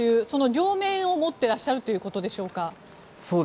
その両面を持ってらっしゃるということでしょうか？